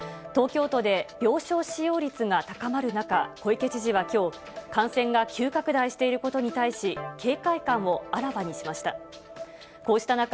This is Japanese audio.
東京都で病床使用率が高まる中、小池知事はきょう、感染が急拡大していることに対し、警戒感をあらわにしました。